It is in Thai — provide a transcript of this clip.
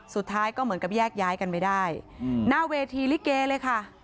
สุดท้ายก็เหมือนกับแยกย้ายกันไม่ได้หน้าเวทีลิเกเลยค่ะ